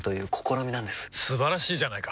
素晴らしいじゃないか！